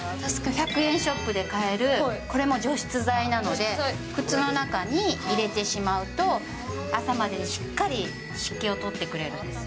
１００円ショップで買える、これも除湿剤なので、靴の中に入れてしまうと、朝までしっかり湿気を取ってくれるんです。